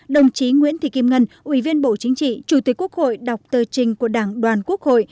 đồng chí nguyễn thị kim ngân ủy viên bộ chính trị chủ tịch quốc hội đọc tờ trình của đảng đoàn quốc hội